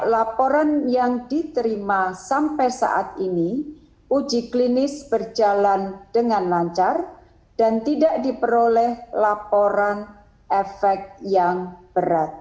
laporan yang diterima sampai saat ini uji klinis berjalan dengan lancar dan tidak diperoleh laporan efek yang berat